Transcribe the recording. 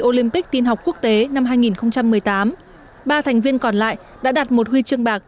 olympic tiên học quốc tế năm hai nghìn một mươi tám ba thành viên còn lại đã đạt một huy chương bạc